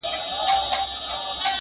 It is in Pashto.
ليکوال ټولنيز چاپېريال